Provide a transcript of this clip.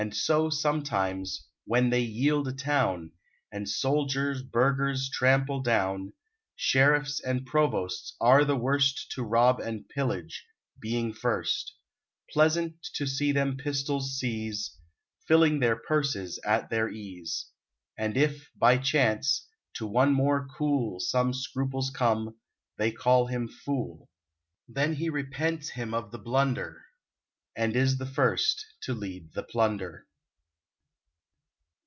So, sometimes, when they yield a town, And soldiers burghers trample down, Sheriffs and provosts are the worst To rob and pillage, being first: [Illustration: THE DOG AND HIS MASTER'S DINNER.] Pleasant to see them pistoles seize, Filling their purses at their ease! And if, by chance, to one more cool Some scruples come, they call him fool: Then he repents him of the blunder, And is the first to lead the plunder.